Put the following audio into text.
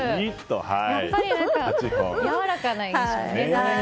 やっぱり、やわらかな印象ですね。